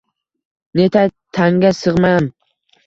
Netay, tanga sig’mam